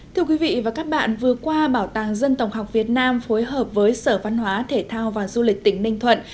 thưa quý vị và các bạn vừa qua bảo tàng dân tổng học việt nam phối hợp với sở văn hóa thể thao và du lịch tỉnh ninh thuận